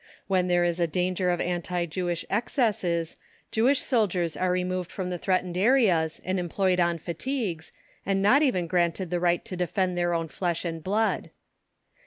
When there is a danger of anti Jewish excesses, Jewish soldiers are removed from the threatened areas and employed on fatigues, and not even granted the right to defend their own flesh and blood.